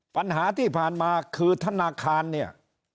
ปัญหาที่ผ่านมาคือธนาคารเนี่ย